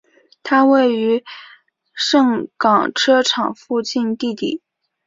它位于盛港车厂附近地底。